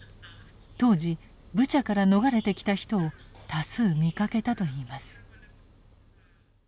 当時ブチャから逃れてきた人を多数見かけたと言います。